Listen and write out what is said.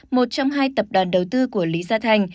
một trong hai tập đoàn đầu tư của lý gia thành